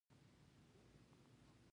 د فاریاب غنم د غونډیو په سر کیږي.